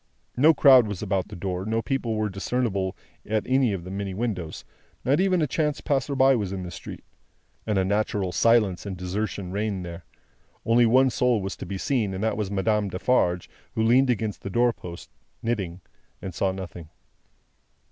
No crowd was about the door; no people were discernible at any of the many windows; not even a chance passerby was in the street. An unnatural silence and desertion reigned there. Only one soul was to be seen, and that was Madame Defarge who leaned against the door post, knitting, and saw nothing.